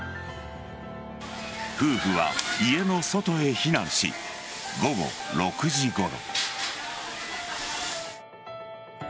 夫婦は、家の外へ避難し午後６時ごろ。